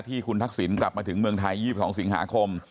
ที่คุณทักษิณกลับมาถึงเมืองไทย๒๒สิงหาคม